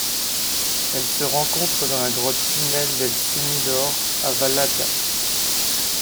Elle se rencontre dans la grotte Tunel del Sumidor à Vallada.